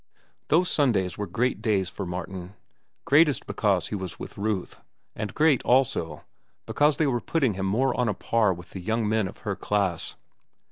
Those Sundays were great days for Martin, greatest because he was with Ruth, and great, also, because they were putting him more on a par with the young men of her class.